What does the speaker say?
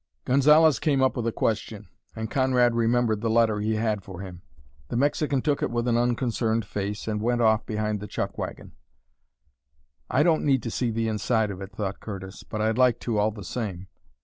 Gonzalez came up with a question, and Conrad remembered the letter he had for him. The Mexican took it with an unconcerned face, and went off behind the chuck wagon. "I don't need to see the inside of it," thought Curtis; "but I'd like to all the same.